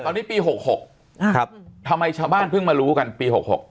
ตอนนี้ปี๖๖ทำไมชาวบ้านเพิ่งมารู้กันปี๖๖